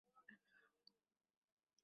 তিনি মূলত বলিউড চলচ্চিত্রে কাজ করে থাকেন।